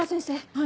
はい。